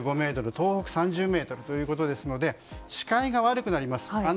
東北３０メートルですので視界が悪くなります。